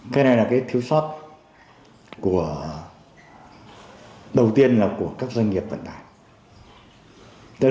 cái này là cái thiếu sót của đầu tiên là của các doanh nghiệp vận tải